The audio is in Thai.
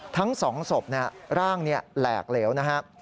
ทั้ง๒ศพร่างแหลกเหลวนะครับ